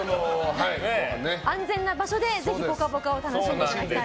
安全な場所でぜひ「ぽかぽか」を楽しんでいただきたいと。